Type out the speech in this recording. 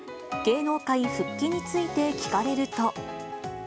芸能界復帰について聞かれると。